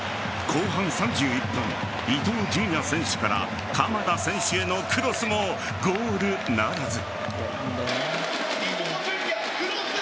後半３１分、伊東純也選手から鎌田選手へのクロスもゴールならず。